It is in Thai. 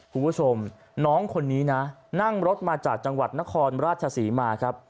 คุณผู้ชมน้องคนนี้นะนั่งรถมาจากจังหวัดนครราชศรีมาครับ